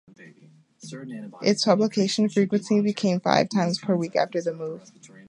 Its publication frequency became five times per week after the move.